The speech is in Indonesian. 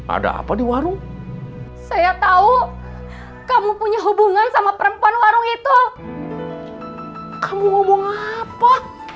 ada apa di warung saya tahu kamu punya hubungan sama perempuan warung itu kamu hubung apa